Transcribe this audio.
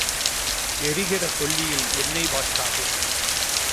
எரிகிற கொள்ளியில் எண்ணெய் வார்க்காதே.